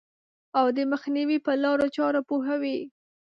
او د مخنیوي په لارو چارو پوهوي.